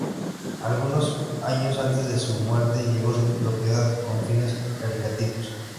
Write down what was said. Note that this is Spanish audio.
Algunos años antes de su muerte, legó su propiedad con fines caritativos.